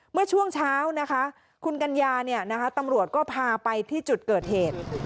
เมื่อช่วงเช้านะคะคุณกัญญาตำรวจก็พาไปที่จุดเกิดเหตุ